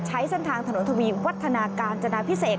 ใช้เส้นทางถนนทวีวัฒนาการจนาพิเศษ